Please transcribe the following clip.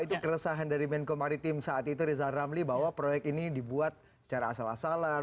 itu keresahan dari menko maritim saat itu rizal ramli bahwa proyek ini dibuat secara asal asalan